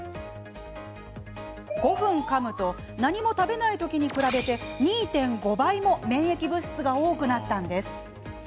５分かむと何も食べない時に比べて２．５倍も免疫物質が多くなったんです。